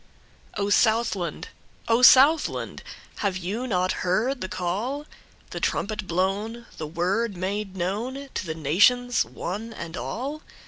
O SOUTHLAND! O Southland! Have you not heard the call, The trumpet blown, the word made knownTo the nations, one and all?